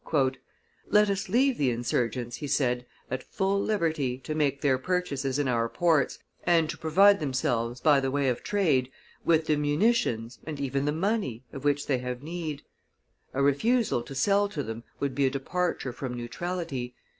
"Let us leave the insurgents," he said, "at full liberty to make their purchases in our ports, and to provide themselves by the way of trade with the munitions, and even the money, of which they have need. A refusal to sell to them would be a departure from neutrality.